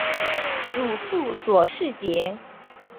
祖父左世杰。